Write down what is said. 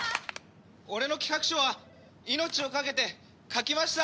俺の企画書は命を懸けて書きました！